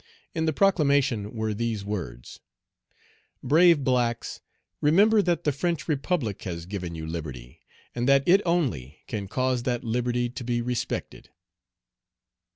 In the proclamation were these words: "Brave blacks, remember that the French Republic has given you liberty, and that it only can cause that liberty to be respected."